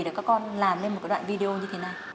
để các con làm lên một đoạn video như thế này